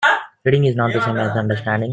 Reading is not the same as understanding.